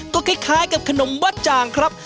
ก็คล้ายกับขนมวัดจ่างครับ